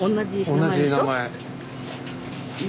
同じ名前。